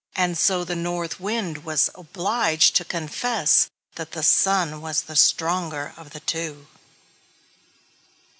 And so the North Wind was obliged to confess that the Sun was the stronger of the two.